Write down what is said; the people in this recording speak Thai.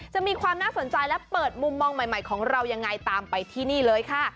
จะมีความน่าสนใจและเปิดมุมมองใหม่ของเรายังไงตามไปที่นี่เลยค่ะ